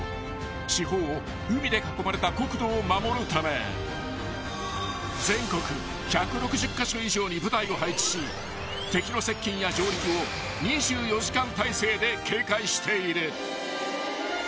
［四方を海で囲まれた国土を守るため全国１６０カ所以上に部隊を配置し敵の接近や上陸を２４時間体制で警戒している］